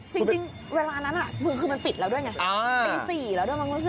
จริงเวลานั้นคือมันปิดแล้วด้วยไงตี๔แล้วด้วยมั้งรู้สึก